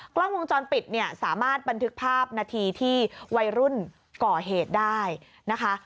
กล้องวงจรปิดเนี่ยสามารถบันทึกภาพนาทีที่วัยรุ่นก่อเหตุได้นะคะ